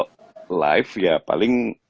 kalau live ya paling